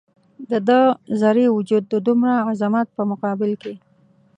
د ده ذرې وجود د دومره عظمت په مقابل کې.